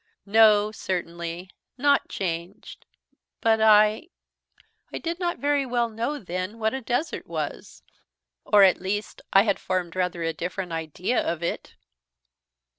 "No, certainly, not changed; but I I did not very well know then what a desert was; or, at least, I had formed rather a different idea of it."